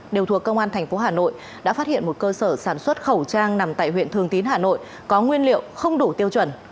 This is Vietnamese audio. đều thuộc công an thành phố hà nội đã phát hiện một cơ sở sản xuất khẩu trang nằm tại huyện thường tín hà nội có nguyên liệu không đủ tiêu chuẩn